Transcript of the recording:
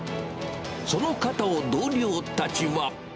その方を同僚たちは。